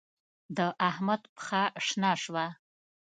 د احمد پښه شنه شوه.